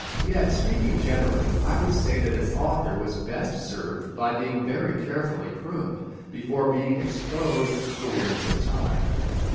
Yet, speaking generally, I would say that an author was best served by being very carefully pruned before being exposed to the winds of time.